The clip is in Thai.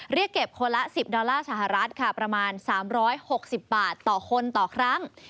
เรียกเก็บคนละ๑๐ดอลลาร์สหรัฐค่ะประมาณ๓๖๐บาทต่อคนต่อครั้ง